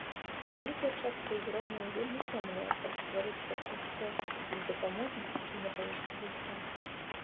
Вялікая частка ўзроўняў вельмі цёмная, каб стварыць пачуццё бездапаможнасці і напалохаць гульца.